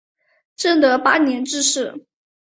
正德八年致仕。